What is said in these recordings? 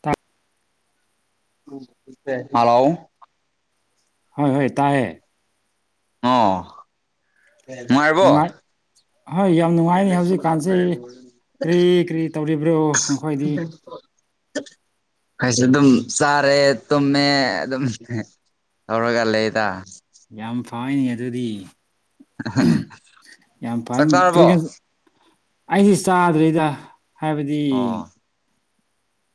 ꯇ ꯍꯂꯣ ꯍꯣꯏ ꯍꯣꯏ ꯇꯥꯏꯌꯦ ꯑꯣ ꯅꯨꯉꯥꯏꯔꯤꯕꯣ ꯅꯨꯡꯉꯥꯏ ꯍꯣꯏ ꯌꯥꯝ ꯅꯨꯡꯉꯥꯏꯅꯤ ꯍꯧꯖꯤꯛꯀꯥꯟꯖꯦ ꯀ꯭ꯔꯤ ꯀ꯭ꯔꯤ ꯇꯧꯔꯤꯕ꯭ꯔꯣ ꯅꯈꯣꯏꯗꯤ ꯈꯣꯏꯖꯨ ꯗꯨꯝ ꯆꯥꯔꯦ ꯇꯨꯃꯦ ꯑꯗꯨꯝ ꯇꯧꯔꯒ ꯂꯩꯗ ꯌꯥꯝ ꯐꯥꯏꯅꯦ ꯑꯗꯨꯗꯤ ꯌꯥꯝ ꯆꯥꯛ ꯐꯥꯏꯅꯤ ꯆꯥꯔꯕꯣ [unintelligible] ꯑꯩꯗꯤ ꯆꯥꯗ꯭ꯔꯤꯗ ꯍꯥꯏꯕꯗꯤ ꯑꯣ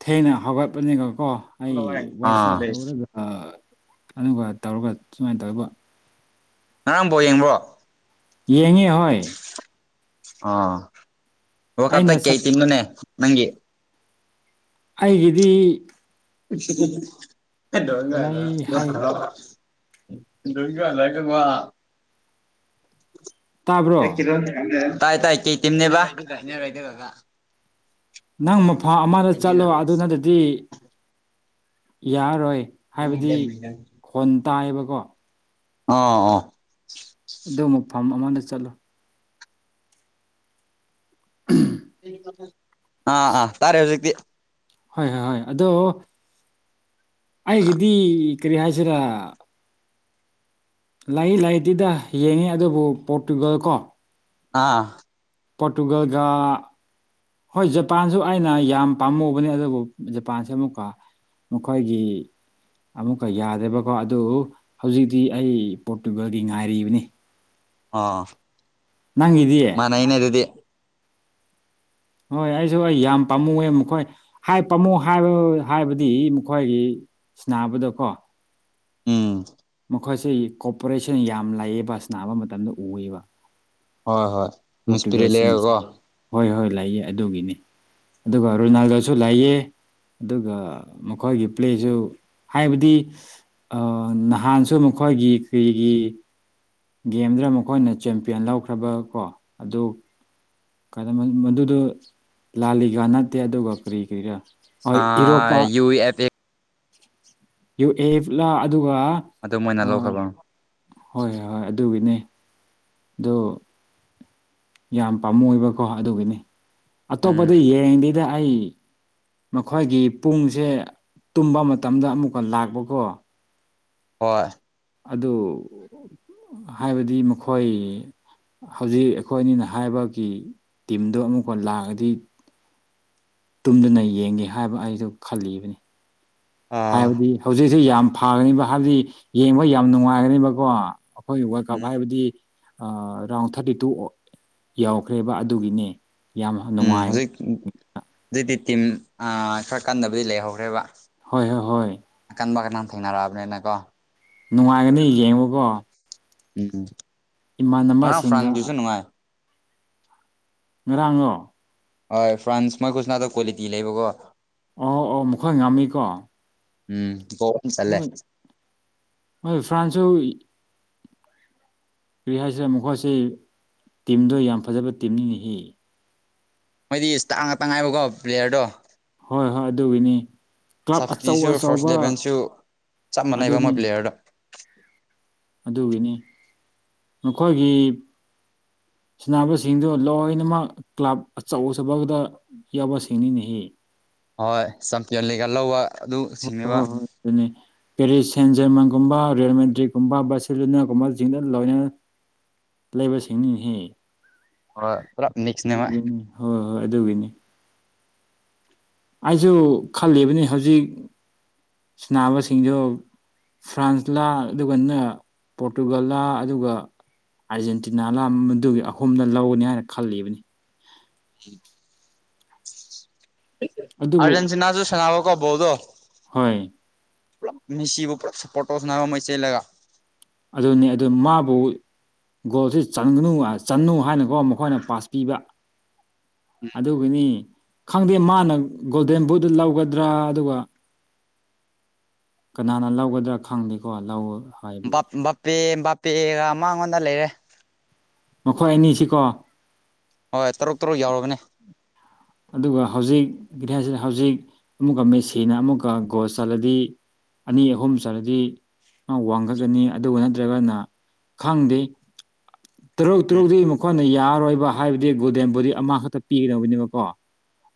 ꯊꯦꯡꯅ ꯍꯧꯒꯠꯄꯅꯤꯅꯀꯣ ꯑꯩ ꯑꯥ ꯋꯥꯆꯞ ꯇꯧꯔꯒ ꯑꯥ ꯑꯗꯨꯒ ꯇꯧꯔꯒ ꯁꯨꯃꯥꯏ ꯇꯧꯏꯕ ꯉꯔꯥꯡ ꯕꯣ ꯌꯦꯡꯕ꯭ꯔꯣ ꯌꯦꯡꯉꯤ ꯍꯣꯏ ꯑ ꯋꯥꯜꯛꯞꯇ ꯑꯩꯅ ꯀꯩ ꯁꯞ ꯇꯤꯝꯅꯣꯅꯦ ꯅꯪꯒꯤ ꯑꯩꯒꯤꯗꯤ [unintelligible] [unintelligible] [unintelligible] ꯂꯩ ꯍꯥꯏ ꯇꯥꯕ꯭ꯔꯣ ꯇꯥꯏ ꯇꯥꯏ ꯀꯩ ꯇꯤꯝꯅꯦꯕ [unintelligible] ꯅꯪ ꯃꯐꯥ ꯑꯃꯗ ꯆꯠꯂꯣ ꯑꯗꯨ ꯅꯗꯗꯤ ꯌꯥꯔꯣꯏ ꯍꯥꯏꯕꯗꯤ ꯈꯣꯟ ꯇꯥꯏꯌꯦꯕꯀꯣ ꯑꯣ ꯑꯣ ꯑꯗꯨ ꯃꯐꯝ ꯑꯃꯗ ꯆꯠꯂꯣ [unintelligible] ꯑꯥ ꯑꯥ ꯇꯥꯔꯦ ꯍꯧꯖꯤꯛꯇꯤ ꯍꯣꯏ ꯍꯣꯏ ꯍꯣꯏ ꯑꯗꯣ ꯑꯩꯒꯤꯗꯤ ꯀ꯭ꯔꯤ ꯍꯥꯏꯁꯤꯔꯥ ꯂꯩ ꯂꯩꯇꯦꯗ ꯌꯦꯡꯉꯤ ꯑꯗꯨꯕꯨ ꯄꯣꯔꯇꯨꯒꯜ ꯀꯣ ꯑꯥ ꯄꯣꯔꯇꯨꯒꯜꯒ ꯍꯣꯏ ꯖꯄꯥꯟꯖꯨ ꯑꯩꯅ ꯌꯥꯝ ꯄꯥꯝꯃꯨꯕꯅꯦ ꯑꯗꯨꯕꯨ ꯖꯄꯥꯟꯁꯦ ꯑꯃꯨꯛꯀ ꯃꯈꯣꯏꯒꯤ ꯑꯃꯨꯛꯀ ꯌꯥꯗꯦꯕꯀꯣ ꯑꯗꯨ ꯍꯧꯖꯤꯛꯇꯤ ꯑꯩ ꯄꯣꯔꯇꯨꯒꯜꯒꯤ ꯉꯥꯏꯔꯤꯕꯅꯤ ꯑꯥ ꯅꯪꯒꯤ ꯗꯤ ꯃꯥꯅꯩꯅꯦ ꯑꯗꯨꯗꯤ ꯍꯣꯏ ꯑꯩꯖꯨ ꯑꯩ ꯌꯥꯝ ꯄꯥꯝꯃꯨꯑꯦ ꯃꯈꯣꯏ ꯍꯥꯏ ꯄꯥꯝꯃꯨ ꯍꯥꯏꯕ ꯍꯥꯏꯕꯗꯤ ꯃꯈꯣꯏꯒꯤ ꯁꯅꯥꯕꯗꯀꯣ ꯎꯝ ꯃꯈꯣꯏꯁꯤ ꯀꯣꯄꯔꯦꯁꯟ ꯌꯥꯝ ꯂꯩꯌꯦꯕ ꯁꯅꯥꯕ ꯃꯇꯝꯗ ꯎꯏꯌꯦꯕ ꯍꯣꯏ ꯍꯣꯏ ꯃꯤꯁꯄꯤꯔꯤ ꯂꯩꯔꯒꯀꯣ ꯍꯣꯏ ꯍꯣꯏ ꯂꯩꯌꯦ ꯑꯗꯨꯒꯤꯅꯤ ꯑꯗꯨꯒ ꯔꯣꯅꯥꯜꯗꯣꯁꯨ ꯂꯩꯌꯦ ꯑꯗꯨꯒ ꯃꯈꯣꯏꯒꯤ ꯄ꯭ꯂꯦꯖꯨ ꯍꯥꯏꯕꯗꯤ ꯑ ꯅꯍꯥꯟꯁꯨ ꯃꯈꯣꯏꯒꯤ ꯀ꯭ꯔꯤꯒꯤ ꯒꯦꯝꯗꯔ ꯃꯈꯣꯏꯅ ꯆꯦꯝꯄꯤꯌꯟ ꯂꯧꯈ꯭ꯔꯕ ꯀꯣ ꯑꯗꯨ ꯀꯥꯗꯃꯤꯛ ꯃꯗꯨꯗꯨ ꯂꯥꯜꯂꯤꯀꯥ ꯅꯠꯇꯦ ꯑꯗꯨꯒ ꯀꯔꯤ ꯀꯔꯤꯔꯥ ꯍꯣꯏ ꯑ ꯏꯔꯣꯄꯥ ꯌꯨ ꯑꯦꯞ ꯑꯦ ꯌꯨ ꯑꯦꯐꯂ ꯑꯗꯨꯒ ꯑꯗꯨ ꯃꯣꯏꯅ ꯂꯧꯈꯕ ꯍꯣꯏ ꯍꯣꯏ ꯍꯣꯏ ꯑꯗꯨꯒꯤꯅꯦ ꯗꯣ ꯌꯥꯝ ꯄꯥꯝꯃꯨꯏꯕꯀꯣ ꯑꯗꯨꯒꯤꯅꯤ ꯎꯝ ꯑꯇꯣꯞꯗꯤ ꯌꯦꯡꯗꯦꯗ ꯑꯩ ꯃꯈꯣꯏꯒꯤ ꯄꯨꯡꯖꯦ ꯇꯨꯝꯕ ꯃꯇꯝꯗ ꯑꯃꯨꯛꯀ ꯂꯥꯛꯄꯀꯣ ꯍꯣꯏ ꯑꯗꯨ ꯍꯥꯏꯕꯗꯤ ꯃꯈꯣꯏ ꯍꯧꯖꯤꯛ ꯑꯩꯈꯣꯏ ꯅꯤꯅ ꯍꯥꯏꯕꯒꯤ ꯇꯤꯝꯗꯣ ꯑꯃꯨꯛꯀ ꯂꯥꯛꯑꯗꯤ ꯇꯨꯝꯗꯅ ꯌꯦꯡꯒꯦ ꯍꯥꯏꯕ ꯑꯩꯗꯣ ꯈꯜꯂꯤꯕꯅꯤ ꯑꯥ ꯍꯥꯏꯕꯗꯤ ꯍꯧꯖꯤꯛꯁꯤ ꯌꯥꯝ ꯐꯒꯅꯤꯕ ꯍꯥꯏꯕꯗꯤ ꯌꯦꯡꯕ ꯌꯥꯝ ꯅꯨꯡꯉꯥꯏꯒꯅꯤꯕꯀꯣ ꯍꯣꯏ ꯋꯥꯔꯜ ꯀꯞ ꯎꯝ ꯍꯥꯏꯕꯗꯤ ꯑꯥ ꯔꯥꯎꯟ ꯊꯥꯔꯇꯤ ꯇꯨ ꯌꯥꯎꯈ꯭ꯔꯦꯕ ꯑꯗꯨꯒꯤꯅꯦ ꯌꯥꯝ ꯎꯝ ꯅꯨꯡꯉꯥꯏ ꯍꯧꯖꯤꯛ ꯍꯧꯖꯤꯛꯇꯤ ꯇꯤꯝ ꯈꯔ ꯀꯟꯗꯕꯗꯤ ꯂꯩꯍꯧꯔꯦꯕ ꯍꯣꯏ ꯍꯣꯏ ꯍꯣꯏ ꯑꯀꯟꯕ ꯀꯅꯥ ꯊꯦꯡꯅꯔꯛꯑꯕꯅꯤꯅꯀꯣ ꯅꯨꯡꯉꯥꯏꯒꯅꯤ ꯌꯦꯡꯉꯨꯀꯣ ꯎꯝ ꯉꯔꯥꯡ ꯐ꯭ꯔꯥꯡꯗꯨꯁꯨ ꯏꯃꯥꯟꯅꯕꯁꯤꯡꯒ ꯅꯨꯡꯉꯥꯏ ꯉꯔꯥꯡꯂꯣ ꯍꯣꯏ ꯐ꯭ꯔꯥꯟꯁ ꯃꯣꯏꯈꯨꯁꯅꯥꯗꯣ ꯀ꯭ꯋꯥꯂꯤꯇꯤ ꯂꯩꯕꯀꯣ ꯑꯣ ꯑꯣ ꯃꯈꯣꯏ ꯉꯝꯃꯤꯀꯣ ꯎꯝ ꯒꯣ ꯃꯣꯏ ꯐ꯭ꯔꯥꯟꯁ ꯁꯨ ꯀꯔꯤ ꯍꯥꯏꯁꯤꯔ ꯃꯈꯣꯏꯁꯤ ꯇꯤꯝꯗꯣ ꯌꯥꯝ ꯐꯖꯕ ꯇꯤꯝꯅꯤ ꯅꯦꯍꯦ ꯃꯣꯏꯗꯤ ꯁ꯭ꯇꯥ ꯉꯥꯇ ꯉꯥꯏꯕꯀꯣ ꯄ꯭ꯂꯦꯌꯔꯗꯣ ꯍꯣꯏ ꯍꯣꯏ ꯑꯗꯨꯒꯤꯅꯤ ꯀ꯭ꯂꯕ ꯑꯆꯧ ꯁꯞꯁꯇꯤꯁꯨ ꯐꯥꯔꯁ ꯑꯆꯧꯕ ꯏꯂꯦꯚꯦꯟꯁꯨ ꯆꯞ ꯃꯥꯟꯅꯩꯕ ꯃꯣꯏ ꯑꯗꯨꯅꯤ ꯄ꯭ꯂꯦꯌꯔꯗꯣ ꯑꯗꯨꯒꯤꯅꯤ ꯃꯈꯣꯏꯒꯤ ꯁꯅꯕꯁꯤꯡꯗꯨ ꯂꯣꯏꯅꯃꯛ ꯀ꯭ꯂꯕ ꯑꯆꯧ ꯑꯆꯧꯕꯗ ꯌꯥꯎꯕꯁꯤꯡꯅꯤ ꯅꯦꯍꯦ ꯍꯣꯏ ꯆꯝꯄꯤꯌꯟ ꯂꯤꯒ ꯂꯧꯕ ꯑꯗꯨ ꯁꯤꯡꯅꯦꯕ ꯗꯨꯅꯤ ꯄꯦꯔꯤꯁ ꯁꯦꯟ ꯖꯔꯃꯟꯒꯨꯝꯕ ꯔꯦꯜ ꯃꯦꯗ꯭ꯔꯤꯛꯀꯨꯝꯕ ꯕꯁꯁꯤꯂꯨꯅꯒꯨꯝꯕꯖꯤꯡꯗ ꯂꯣꯏꯅ ꯂꯩꯕ ꯁꯤꯡꯅꯤ ꯅꯦꯍꯦ ꯍꯣꯏ ꯄꯨꯂꯞ ꯃꯤꯛꯁꯅꯦ ꯃꯣꯏ ꯍꯣ ꯍꯣꯏ ꯑꯗꯨꯒꯤꯅꯤ ꯑꯩꯖꯨ ꯈꯜꯂꯤꯕꯅꯤ ꯍꯧꯖꯤꯛ ꯁꯅꯕꯁꯤꯡꯗꯨ ꯐ꯭ꯔꯥꯟꯁꯂꯥ ꯑꯗꯨꯒ ꯅ ꯄꯣꯔꯇꯨꯒꯜꯂ ꯑꯗꯨꯒ ꯑꯥꯔꯖꯦꯟꯇꯤꯅ ꯅꯥ ꯃꯗꯨꯒꯤ ꯑꯍꯨꯝꯗ ꯂꯧꯒꯅꯤ ꯍꯥꯏꯅ ꯈꯜꯂꯤꯕꯅꯤ ꯑꯗꯨꯕꯨ ꯑꯔꯖꯦꯟꯇꯤꯅꯥꯖꯨ ꯁꯅꯥꯕ ꯀꯣ ꯕꯣꯜꯗꯣ ꯍꯣꯏ ꯄꯨꯂꯞ ꯃꯤꯁꯤꯕꯨ ꯄꯨꯂꯞ ꯁꯄꯣꯔꯠ ꯇꯧꯁꯟꯅꯕ ꯃꯣꯏ ꯆꯦꯜꯂꯒ ꯑꯗꯨꯅꯤ ꯑꯗꯨ ꯃꯥꯕꯨ ꯒꯣꯜꯁꯤ ꯆꯟꯒꯅꯨ ꯆꯅꯨ ꯍꯥꯏꯅꯀꯣ ꯃꯈꯣꯏꯅ ꯄꯥꯁ ꯄꯤꯕ ꯑꯗꯨꯒꯤꯅꯤ ꯈꯪꯗꯦ ꯃꯥꯅ ꯒꯣꯜꯗꯟ ꯕꯨꯗꯨ ꯂꯧꯒꯗ꯭ꯔꯥ ꯑꯗꯨꯒ ꯀꯅꯥꯅ ꯂꯧꯒꯗ꯭ꯔꯥ ꯈꯪꯗꯦꯀꯣ ꯂꯧ ꯍꯥꯏꯕꯗꯤ ꯕꯥꯞ ꯕꯥꯄꯦ ꯕꯥꯄꯦꯒ ꯃꯉꯣꯟꯗ ꯂꯩꯔꯦ ꯃꯈꯣꯏ ꯑꯅꯤꯁꯤꯀꯣ ꯍꯣꯏ ꯇꯔꯨꯛ ꯇ꯭ꯔꯨꯛ ꯌꯧꯔꯕꯅꯦ ꯑꯗꯨꯒ ꯍꯧꯖꯤꯛ [unintelligible] ꯍꯧꯖꯤꯛ ꯑꯃꯨꯛꯀ ꯃꯦꯁꯤꯅ ꯑꯃꯨꯛꯀ ꯒꯣꯜ ꯆꯠꯂꯗꯤ ꯑꯅꯤ ꯑꯍꯨꯝ ꯆꯜꯗꯤ ꯃꯥ ꯋꯥꯡꯈꯠꯀꯅꯤ ꯑꯗꯨꯒ ꯅꯠꯇ꯭ꯔꯒꯅ ꯈꯪꯗꯦ ꯇꯔꯨꯛ ꯎꯝ ꯇꯔꯨꯛꯗꯤ ꯃꯈꯣꯏꯅ ꯌꯥꯔꯔꯣꯏꯕ ꯍꯥꯏꯕꯗꯤ ꯒꯨꯗꯦꯟ ꯕꯨꯗꯤ ꯑꯃꯈꯛꯇ ꯄꯤꯒꯗꯧꯕꯅꯦꯕꯀꯣ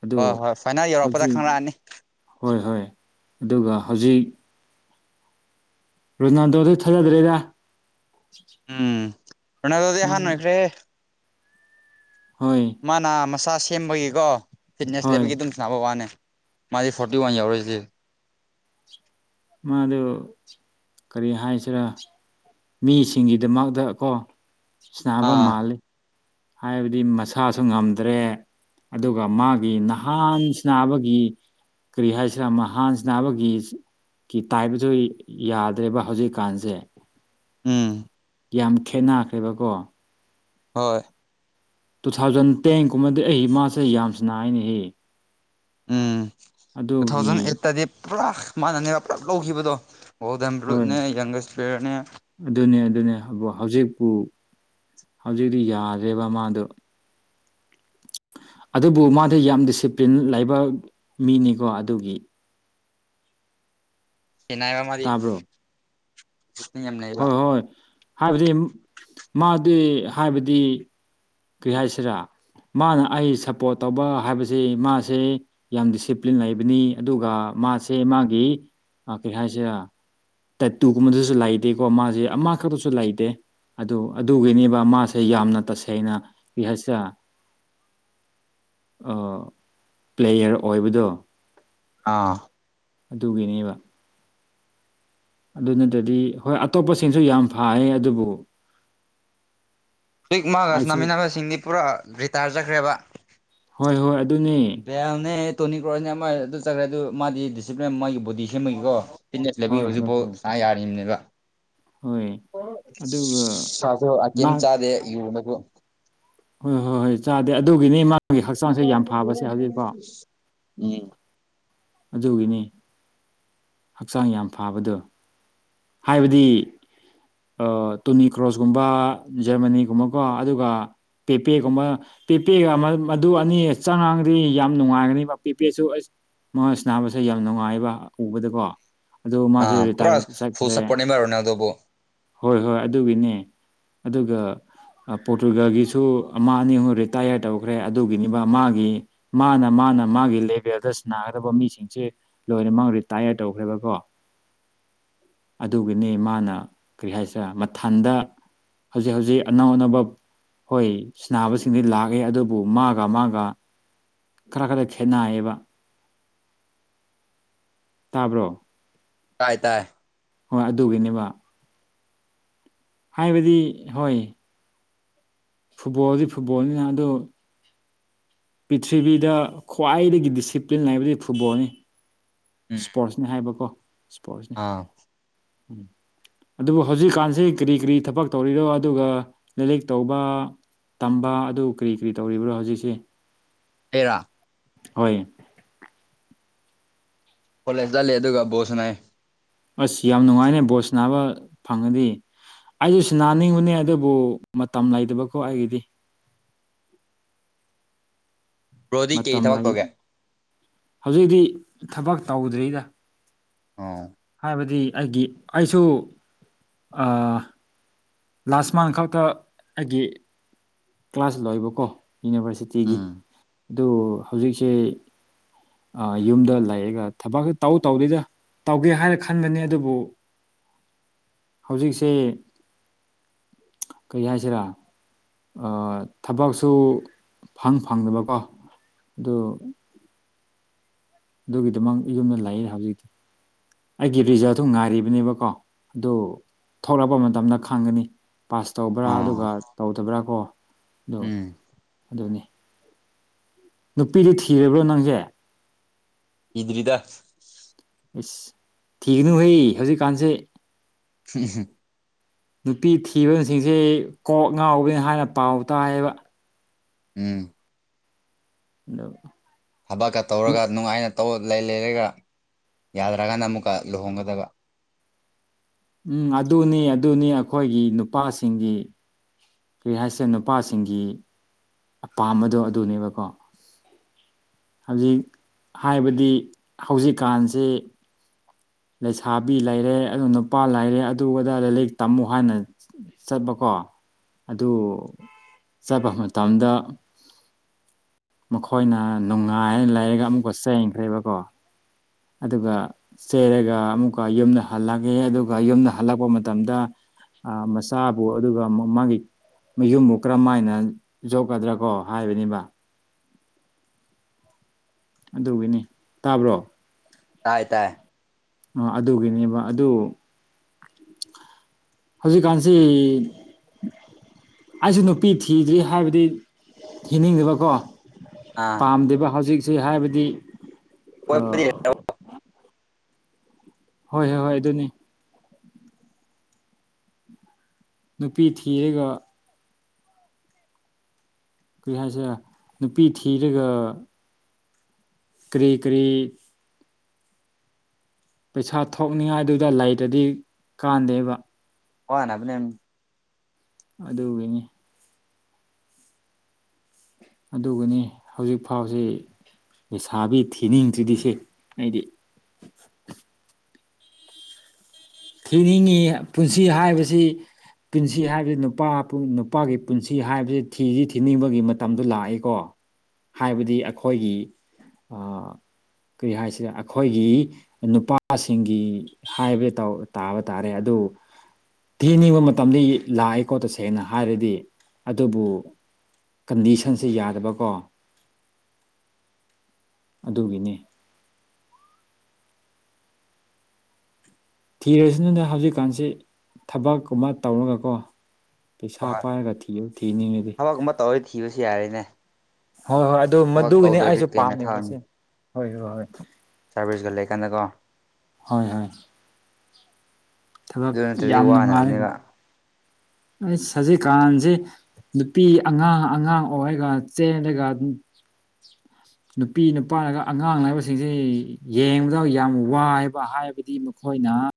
ꯑꯗꯨ ꯍꯣ ꯍꯣꯏ ꯐꯥꯏꯅꯦꯜ ꯌꯧꯔꯛꯄꯗ ꯍꯧꯖꯤꯛ ꯈꯪꯂꯛꯑꯅꯤ ꯍꯣꯏ ꯍꯣꯏ ꯑꯗꯨꯒ ꯍꯧꯖꯤꯛ ꯔꯣꯅꯥꯜꯗꯣꯗꯣ ꯊꯥꯖꯗ꯭ꯔꯦꯗ ꯎꯝ ꯔꯣꯅꯥꯜꯗꯣꯗꯤ ꯃꯥ ꯑꯍꯟ ꯑꯣꯏꯈ꯭ꯔꯦꯍꯦ ꯍꯣꯏ ꯃꯥꯅ ꯃꯁꯥ ꯁꯦꯝꯕꯒꯤꯀꯣ ꯐꯤꯠꯅꯦꯁ ꯍꯣꯏ ꯂꯩꯕꯒꯤ ꯑꯗꯨꯝ ꯁꯥꯅꯕ ꯋꯥꯅꯦ ꯃꯥꯗꯤ ꯐꯣꯔꯇꯤ ꯋꯥꯟ ꯌꯧꯔꯤꯖꯤꯗꯤ ꯃꯥꯗꯨ ꯀꯔꯤ ꯍꯥꯏꯁꯤꯔꯥ ꯃꯤꯁꯤꯡꯒꯤꯗꯃꯛꯇ ꯀꯣ ꯁꯅꯕ ꯑꯥ ꯃꯥꯜꯂꯦ ꯍꯥꯏꯕꯗꯤ ꯃꯁꯥꯁꯨ ꯉꯝꯗ꯭ꯔꯦ ꯑꯗꯨꯒ ꯃꯥꯒꯤ ꯅꯍꯥꯟ ꯁꯅꯥꯕꯒꯤ ꯀꯔꯤ ꯍꯥꯏꯁꯤꯔ ꯃꯍꯥꯟꯁꯅꯥꯕꯒꯤ ꯀꯤ ꯇꯥꯏꯕꯗꯨ ꯌꯥꯗ꯭ꯔꯦꯕ ꯍꯧꯖꯤꯛꯀꯥꯟꯖꯦ ꯎꯝ ꯌꯥꯝ ꯈꯦꯠꯅꯈ꯭ꯔꯦꯕꯀꯣ ꯍꯣꯏ ꯇꯨ ꯊꯥꯎꯖꯟ ꯇꯦꯟꯒꯨꯝꯕꯗꯤ ꯑꯩ ꯃꯥꯁꯦ ꯌꯥꯝ ꯁꯅꯥꯏꯅꯦꯍꯦ ꯎꯝ ꯇꯨ ꯊꯥꯎꯖꯟ ꯑꯗꯨꯒꯤ ꯑꯩꯠꯇꯗꯤ ꯄꯨꯔꯥ ꯃꯥꯅꯅꯦꯕ ꯄꯨꯂꯞ ꯂꯧꯈꯤꯕꯗꯣ ꯒꯣꯜꯗꯟ ꯕ꯭ꯂꯨꯠꯅꯦ ꯌꯪꯒꯁ ꯄ꯭ꯂꯦꯌꯔꯅꯦ ꯑꯗꯨꯅꯤ ꯑꯗꯨꯅꯤ ꯍꯧꯕꯣ ꯍꯧꯖꯤꯛꯄꯨ ꯍꯧꯖꯤꯛꯇꯤ ꯌꯥꯗ꯭ꯔꯦꯕ ꯃꯥꯗꯣ ꯑꯗꯨꯕꯨ ꯃꯥꯗꯤ ꯌꯥꯝ ꯗꯤꯁꯤꯄ꯭ꯂꯤꯟ ꯂꯩꯕ ꯃꯤꯅꯤꯀꯣ ꯑꯗꯨꯒꯤ [unintelligible] ꯇꯥꯕ꯭ꯔꯣ ꯃꯤ ꯌꯥꯝ ꯂꯩꯕ ꯍꯣꯏ ꯍꯣꯏ ꯍꯥꯏꯕꯗꯤ ꯃꯥꯗꯤ ꯍꯥꯏꯕꯗꯤ ꯀꯔꯤ ꯍꯥꯏꯁꯤꯔꯥ ꯃꯥꯅ ꯑꯩ ꯁꯞꯄꯣꯠ ꯇꯧꯕ ꯍꯥꯏꯕꯁꯤ ꯃꯥꯁꯤ ꯌꯥꯝ ꯗꯤꯁꯤꯄ꯭ꯂꯤꯟ ꯂꯩꯕꯅꯤ ꯑꯗꯨꯒ ꯃꯥꯁꯦ ꯃꯥꯒꯤ ꯑ ꯀꯔꯤ ꯍꯥꯏꯁꯤꯔ ꯇꯦꯠꯇꯨꯒꯨꯝꯕꯗꯨꯁꯨ ꯂꯩꯇꯦꯀꯣ ꯃꯥꯖꯦ ꯑꯃꯈꯛꯇꯁꯨ ꯂꯩꯇꯦ ꯑꯗꯨ ꯑꯗꯨꯒꯤꯅꯤꯕ ꯃꯥꯁꯦ ꯌꯥꯝꯅ ꯇꯁꯦꯡꯅ [unintelligible] ꯑ ꯄ꯭ꯂꯦꯌꯔ ꯑꯣꯏꯕꯗꯣ ꯑꯥ ꯗꯨꯒꯤꯅꯤꯕ ꯗꯨ ꯅꯠꯇꯗꯤ ꯍꯣꯏ ꯑꯇꯣꯞꯄꯁꯤꯡꯁꯨ ꯌꯥꯝ ꯐꯥꯑꯦ ꯑꯗꯨꯕꯨ ꯀꯤꯛ ꯃꯥꯒ ꯑꯩꯁꯨ ꯁꯥꯟꯅꯃꯤꯟꯅꯕꯁꯤꯡꯗꯤ ꯄꯨꯔꯥ ꯔꯤꯇꯥꯏꯔ ꯆꯠꯈ꯭ꯔꯦꯕ ꯍꯣꯏ ꯍꯣꯏ ꯑꯗꯨꯅꯤ ꯄꯌꯥꯅꯦ ꯇꯣꯅꯤ ꯀ꯭ꯔꯣꯅꯦ ꯑꯃ ꯑꯗꯨ ꯆꯠꯈ꯭ꯔꯦ ꯑꯗꯨ ꯃꯥꯗꯤ ꯗꯤꯁꯤꯄ꯭ꯂꯤꯟ ꯃꯥꯒꯤ ꯕꯣꯗꯤ ꯁꯦꯝꯃꯒꯤꯀꯣ ꯐꯤꯠꯅꯦꯁ ꯍꯣꯏ ꯂꯩꯕꯒꯤ ꯍꯣꯏ ꯍꯨꯖꯤꯛꯐꯥꯎ ꯍꯣꯏ ꯁꯥ ꯌꯥꯔꯤꯅꯦꯕ ꯍꯣꯏ ꯑꯗꯨꯒ ꯃꯥ [unintelligible] ꯎꯝ ꯍꯣꯏ ꯆꯥꯗꯦ ꯑꯗꯨꯒꯤꯅꯤ ꯃꯥꯒꯤ ꯍꯛꯆꯥꯡꯁꯦ ꯌꯥꯝ ꯐꯥꯕꯁꯦ ꯍꯧꯖꯤꯛꯐꯥꯎ ꯎꯝ ꯑꯗꯨꯒꯤꯅꯤ ꯍꯛꯆꯥꯡ ꯌꯥꯝ ꯐꯥꯕꯗꯨ ꯍꯥꯏꯕꯗꯤ ꯑꯣ ꯇꯨꯅꯤ ꯀ꯭ꯔꯣꯁꯀꯨꯝꯕ ꯖꯔꯃꯅꯤꯒꯨꯝꯕꯀꯣ ꯑꯗꯨꯒ ꯄꯦꯄꯦꯒꯨꯝꯕ ꯄꯦꯄꯦꯒ ꯃ ꯃꯗꯨ ꯑꯅꯤ ꯆꯪꯉꯥꯡꯗꯤ ꯌꯥꯝ ꯅꯨꯡꯉꯥꯏꯒꯅꯤꯕ ꯄꯦꯄꯦꯁꯨ ꯑꯩꯁ ꯃꯣꯏ ꯁꯥꯟꯅꯕꯁꯦ ꯌꯥꯝ ꯅꯨꯡꯉꯥꯏꯌꯦꯕ ꯎꯕꯗꯀꯣ ꯑꯗꯣ ꯃꯥꯁꯦ ꯑꯥ ꯄꯨꯔꯥ ꯔꯤꯇꯥꯌꯔꯠ ꯆꯠ ꯐꯨꯜ ꯁꯄꯣꯔꯠꯅꯦꯕ ꯔꯣꯅꯥꯜꯗꯣꯕꯨ ꯍꯣꯏ ꯍꯣꯏ ꯑꯗꯨꯒꯤꯅꯦ ꯑꯗꯨꯒ ꯄꯣꯔꯇꯨꯒꯜꯒꯤꯁꯨ ꯑꯃ ꯑꯅꯤ ꯍꯨꯝ ꯔꯤꯇꯥꯌꯔ ꯇꯧꯈ꯭ꯔꯦ ꯑꯗꯨꯒꯤꯅꯤꯕ ꯃꯥꯒꯤ ꯃꯥꯅ ꯃꯥꯅ ꯃꯥꯒꯤ ꯂꯦꯚꯦꯜꯗ ꯁ꯭ꯅꯥꯒꯗꯕ ꯃꯤꯁꯤꯡꯁꯦ ꯂꯣꯏꯅ ꯃꯛ ꯔꯤꯇꯥꯌꯔ ꯇꯧꯈ꯭ꯔꯦꯕꯀꯣ ꯑꯗꯨꯒꯤꯅꯤ ꯃꯥꯅ ꯀꯔꯤ ꯍꯥꯏꯁꯤꯔꯦ ꯃꯊꯟꯗ ꯍꯧꯖꯤꯛ ꯍꯧꯖꯤꯛ ꯑꯅꯧ ꯑꯅꯧꯕ ꯍꯣꯏ ꯁ꯭ꯅꯥꯕꯁꯤꯡꯗꯤ ꯂꯥꯛꯏ ꯑꯗꯨꯕꯨ ꯃꯥꯒ ꯃꯥꯒ ꯈꯔ ꯈꯔ ꯈꯦꯠꯅꯥꯏꯌꯦꯕ ꯇꯥꯕ꯭ꯔꯣ ꯇꯥꯏ ꯇꯥꯏ ꯍꯣꯏ ꯑꯗꯨꯒꯤꯅꯦꯕ ꯍꯥꯏꯕꯗꯤ ꯍꯣꯏ ꯐꯨꯠꯕꯣꯜꯗꯤ ꯐꯨꯠꯕꯣꯜꯅꯤꯅ ꯑꯗꯨ ꯄꯤꯊ꯭ꯔꯤꯕꯤꯗ ꯈ꯭ꯋꯥꯏꯗꯒꯤ ꯗꯤꯁꯤꯄ꯭ꯂꯤꯟ ꯂꯩꯕꯗꯤ ꯐꯨꯠꯕꯣꯜꯅꯤ ꯎꯝ ꯁ꯭ꯄꯣꯔꯠꯁꯅꯦ ꯍꯥꯏꯕꯀꯣ ꯁ꯭ꯄꯣꯔꯠꯁꯅꯦ ꯑꯥ ꯎꯝ ꯑꯗꯨꯕꯨ ꯍꯧꯖꯤꯛꯀꯥꯟꯁꯤ ꯀꯔꯤ ꯀꯔꯤ ꯊꯕꯛ ꯇꯧꯔꯤꯔꯣ ꯑꯗꯨꯒ ꯂꯩꯔꯤꯛ ꯇꯧꯕ ꯇꯝꯕ ꯑꯗꯨ ꯀꯔꯤ ꯀꯔꯤ ꯇꯧꯔꯤꯕ꯭ꯔꯣ ꯍꯧꯖꯤꯛꯁꯤ ꯑꯩꯔꯣ ꯍꯣꯏ ꯀꯣꯂꯦꯖ ꯆꯂꯤ ꯑꯗꯨꯒ ꯕꯣꯜ ꯁꯥꯟꯅꯩ ꯑꯁ ꯌꯥꯝ ꯅꯨꯡꯉꯥꯏꯅꯦ ꯕꯣꯜ ꯁꯥꯟꯅꯕ ꯐꯪꯉꯗꯤ ꯑꯩ ꯁꯥꯟꯅꯅꯤꯡꯕꯅꯦ ꯑꯗꯨꯕꯨ ꯃꯇꯝ ꯂꯩꯇꯕꯀꯣ ꯑꯩꯒꯤꯗꯤ ꯕ꯭ꯔꯣꯗꯤ ꯀꯩ ꯃꯇꯝ ꯊꯕꯛ ꯂꯩ ꯇꯧꯒꯦ ꯍꯧꯖꯤꯛꯇꯤ ꯊꯕꯛ ꯇꯧꯗ꯭ꯔꯤꯗ ꯑꯥꯎ ꯍꯥꯏꯕꯗꯤ ꯑꯩꯒꯤ ꯑꯩꯁꯨ ꯑꯥ ꯂꯥꯁ ꯃꯟꯠ ꯈꯛꯇ ꯑꯩꯒꯤ ꯀ꯭ꯂꯥꯁ ꯂꯣꯏꯕꯀꯣ ꯌꯨꯅꯤꯚꯔꯁꯤꯇꯤꯒꯤ ꯎꯝ ꯑꯗꯨ ꯍꯧꯖꯤꯛꯁꯤ ꯑ ꯌꯨꯝꯗ ꯂꯩꯔꯒ ꯊꯕꯛ ꯇꯧ ꯇꯧꯗꯦꯗ ꯇꯧꯒꯦ ꯍꯥꯏꯅ ꯈꯟꯒꯅꯤ ꯑꯗꯨꯕꯨ ꯍꯧꯖꯤꯛꯁꯦ ꯀꯔꯤ ꯍꯥꯏꯁꯦꯔꯥ ꯑꯥ ꯊꯕꯛꯁꯨ ꯐꯪ ꯐꯪꯗꯕꯀꯣ ꯑꯗꯨ ꯑꯗꯨꯒꯤꯗꯃꯛ ꯌꯨꯝꯗ ꯂꯩꯌꯦ ꯍꯧꯖꯤꯛꯇꯤ ꯑꯩꯒꯤ ꯔꯤꯖꯜꯇꯨ ꯉꯥꯏꯔꯤꯕꯅꯦꯕꯀꯣ ꯑꯗꯨ ꯊꯣꯔꯛꯄ ꯃꯇꯝꯗ ꯈꯪꯒꯅꯤ ꯄꯥꯁ ꯇꯧꯕ꯭ꯔꯥ ꯑꯣ ꯑꯗꯨꯒ ꯇꯧꯗꯕ꯭ꯔꯥ ꯀꯣ ꯑꯗꯨ ꯎꯝ ꯑꯗꯨꯅꯤ ꯅꯨꯄꯤꯗꯤ ꯊꯤꯔꯕ꯭ꯔꯣ ꯅꯪꯖꯦ ꯊꯤꯗ꯭ꯔꯤꯗ ꯏꯁ ꯊꯤꯒꯅꯨ ꯍꯦ ꯍꯧꯖꯤꯛꯀꯥꯟꯖꯦ [unintelligible] ꯅꯨꯄꯤ ꯊꯤꯕꯁꯤꯡꯖꯦ ꯀꯣꯛ ꯉꯥꯎꯏ ꯍꯥꯏꯅ ꯄꯥꯎ ꯇꯥꯏꯌꯦꯕ ꯎꯝ [unintelligible] ꯊꯕꯛꯀ ꯇꯧꯔꯒ ꯅꯨꯡꯉꯥꯏꯅ ꯇꯧ ꯂꯩ ꯂꯩꯔꯒ ꯌꯥꯗ꯭ꯔꯀꯥꯟꯗ ꯑꯃꯨꯛꯀ ꯂꯨꯍꯣꯡꯒꯗꯕ ꯎꯝ ꯑꯗꯨꯅꯤ ꯑꯗꯨꯅꯤ ꯑꯩꯈꯣꯏꯒꯤ ꯅꯨꯄꯥꯁꯤꯡꯒꯤ ꯀꯔꯤ ꯍꯥꯏꯁꯤꯔ ꯅꯨꯄꯥꯁꯤꯡꯒꯤ ꯑꯄꯥꯝꯕꯗꯣ ꯑꯗꯨꯅꯦꯕꯀꯣ ꯍꯧꯖꯤꯛ ꯍꯥꯏꯕꯗꯤ ꯍꯧꯖꯤꯛꯀꯥꯟꯖꯦ ꯂꯩꯁꯥꯕꯤ ꯂꯩꯔꯦ ꯑꯗꯨ ꯅꯨꯄꯥ ꯂꯩꯔꯦ ꯑꯗꯨ ꯑꯗꯗ ꯂꯥꯏꯔꯤꯛ ꯇꯝꯃꯨ ꯍꯥꯏꯅ ꯆꯠꯄꯀꯣ ꯑꯗꯨ ꯆꯠꯄ ꯃꯇꯝꯗ ꯃꯈꯣꯏꯅ ꯅꯨꯡꯉꯥꯏꯅ ꯂꯩꯔꯒ ꯑꯃꯨꯛꯀ ꯆꯦꯟꯒ꯭ꯔꯦꯕꯀꯣ ꯑꯗꯨꯒ ꯆꯦꯜꯔꯒ ꯑꯃꯨꯛꯀ ꯌꯨꯝꯗ ꯍꯜꯂꯛꯑꯦ ꯑꯗꯨꯒ ꯌꯨꯝꯗ ꯍꯜꯂꯛꯄ ꯃꯇꯝꯗ ꯑꯥ ꯃꯆꯥꯕꯨ ꯑꯗꯨꯒ ꯃꯥ ꯃꯥꯒꯤ ꯃꯌꯨꯝꯕꯨ ꯀꯔꯝ ꯃꯥꯏꯅ ꯌꯣꯛꯀꯗ꯭ꯔꯥ ꯀꯣ ꯍꯥꯏꯕꯅꯤꯕ ꯑꯗꯨꯒꯤꯅꯤ ꯇꯥꯕ꯭ꯔꯣ ꯇꯥꯏ ꯇꯥꯏ ꯑꯥ ꯑꯗꯨꯒꯤꯅꯦꯕ ꯑꯗꯨ ꯍꯧꯖꯤꯛꯀꯥꯟꯁꯤ ꯑꯩꯁꯨ ꯅꯨꯄꯤ ꯊꯤꯗ꯭ꯔꯤ ꯍꯥꯏꯕꯗꯤ ꯊꯤꯅꯤꯡꯗꯕꯀꯣ ꯑꯥ ꯄꯥꯝꯗꯦꯕ ꯍꯧꯖꯤꯛꯁꯤ ꯍꯥꯏꯕꯗꯤ ꯀꯣꯏꯕꯗꯤ ꯑꯥ ꯍꯣꯏ ꯍꯣꯏ ꯍꯣꯏ ꯑꯗꯨꯅꯤ ꯅꯨꯄꯤ ꯊꯤꯔꯒ ꯀꯔꯤ ꯍꯥꯏꯁꯤꯔ ꯅꯨꯄꯤ ꯊꯤꯔꯒ ꯀꯔꯤ ꯀꯔꯤ ꯄꯩꯁꯥ ꯊꯣꯛꯅꯤꯡꯉꯥꯏꯗꯨꯗ ꯂꯩꯇ꯭ꯔꯗꯤ ꯀꯥꯟꯗꯦꯕ ꯋꯥꯅꯕꯅꯦ ꯑꯗꯨꯒꯤꯅꯤ ꯑꯗꯨꯒꯤꯅꯤ ꯍꯧꯖꯤꯛꯐꯥꯎꯁꯤ ꯂꯩꯁꯥꯕꯤ ꯊꯤꯅꯤꯡꯗ꯭ꯔꯤꯗꯤꯁꯦ ꯑꯩꯗꯤ ꯊꯤꯅꯤꯡꯉꯤ ꯄꯨꯟꯁꯤ ꯍꯥꯏꯕꯁꯤ ꯄꯨꯟꯁꯤ ꯍꯥꯏꯕꯁꯤ ꯅꯨꯄꯥ ꯅꯨꯄꯥꯒꯤ ꯄꯨꯟꯁꯤ ꯍꯥꯏꯕꯁꯤ ꯊꯤꯗꯤ ꯊꯤꯅꯤꯡꯕꯒꯤ ꯃꯇꯝꯗꯣ ꯂꯥꯛꯑꯦꯀꯣ ꯍꯥꯏꯕꯗꯤ ꯑꯈꯣꯏꯒꯤ ꯑ ꯀꯔꯤ ꯍꯥꯏꯁꯤꯔ ꯑꯈꯣꯏꯒꯤ ꯅꯨꯄꯥꯁꯤꯡꯒꯤ ꯍꯥꯏꯕ ꯇꯧ ꯇꯥꯕ ꯇꯥꯔꯦ ꯑꯗꯨ ꯊꯤꯅꯤꯡꯕ ꯃꯇꯝꯗꯤ ꯂꯥꯛꯑꯦꯀꯣ ꯇꯁꯦꯡꯅ ꯍꯥꯏꯔꯗꯤ ꯑꯗꯨꯕꯨ ꯀꯟꯗꯤꯁꯟꯁꯦ ꯌꯥꯗꯕꯀꯣ ꯑꯗꯨꯒꯤꯅꯤ ꯊꯤꯔꯁꯅꯨꯗ ꯍꯧꯖꯤꯛꯀꯥꯟꯁꯦ ꯊꯕꯛꯀꯨꯝꯕ ꯇꯧꯔꯒꯀꯣ ꯄꯩꯁꯥ ꯍꯣꯏ ꯄꯥꯏꯔꯒ ꯊꯤꯌꯨ ꯊꯤꯅꯤꯡꯉꯗꯤ꯫ ꯊꯕꯛꯀꯨꯝꯕ ꯇꯧꯔꯗꯤ ꯊꯤꯕꯁꯨ ꯌꯥꯔꯦꯅꯦ ꯍꯣꯏ ꯍꯣꯏ ꯑꯗꯨ ꯊꯕꯛ ꯃꯗꯨꯒꯤꯅꯤ ꯇꯧꯗ꯭ꯔꯗꯤ ꯑꯩꯁꯨ ꯀꯩꯅ ꯄꯥꯝꯃꯤꯕꯁꯦ ꯍꯣꯏ ꯍꯣꯏ ꯍꯣꯏ꯫ ꯁꯥꯔꯚꯤꯁꯗ ꯂꯩ ꯀꯥꯟꯗꯀꯣ ꯍꯣꯏ ꯍꯣꯏ ꯊꯕꯛ ꯑꯗꯨ ꯅꯠꯇ꯭ꯔꯗꯤ ꯌꯥꯝ ꯅꯨꯡꯉꯥꯏꯔꯒ ꯋꯥꯅꯕꯅꯦꯕ ꯑꯩꯁ ꯍꯧꯖꯤꯛꯀꯥꯟꯖꯤ ꯅꯨꯄꯤ ꯑꯉꯥꯡ ꯑꯉꯥꯡ ꯑꯣꯏꯔꯒ ꯆꯦꯜꯂꯦꯒ ꯅꯨꯄꯤ ꯅꯨꯄꯥꯅꯒ ꯑꯉꯥꯡ ꯍꯥꯏꯕꯁꯤꯡꯖꯦ ꯌꯦꯡꯕꯗ ꯌꯥꯝ ꯋꯥꯏꯕ ꯍꯥꯏꯕꯗꯤ ꯃꯈꯣꯏꯅ